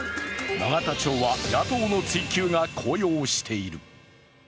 永田町は野党の追究が高揚している。